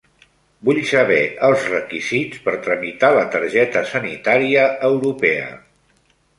Vull saber els requisits per tramitar la targeta sanitaria europea.